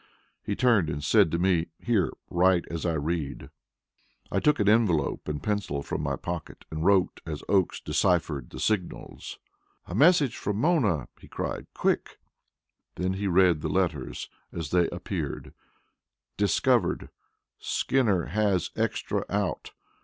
He turned and said to me: "Here, write as I read." I took an envelope and pencil from my pocket and wrote as Oakes deciphered the signals. "A message from Mona," he cried. "Quick!" Then he read the letters as they appeared: "Discovered. Skinner has extra out.